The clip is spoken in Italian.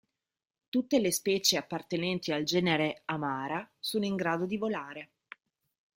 Tutte le specie appartenenti al genere "Amara" sono in grado di volare.